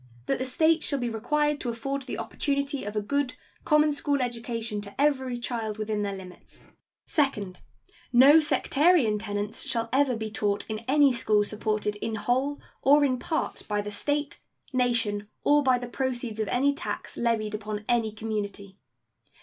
That the States shall be required to afford the opportunity of a good common school education to every child within their limits. Second. No sectarian tenets shall ever be taught in any school supported in whole or in part by the State, nation, or by the proceeds of any tax levied upon any community.